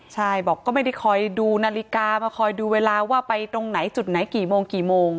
ใช่บอกก็ไม่ได้คอยดูนาฬิกามาคอยดูเวลาว่าไปตรงไหนจุดไหนกี่โมงกี่โมง